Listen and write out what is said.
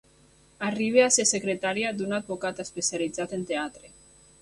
Arriba a ser secretària d'un advocat especialitzat en teatre.